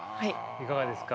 いかがですか？